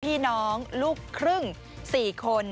พี่น้องลูกครึ่ง๔คน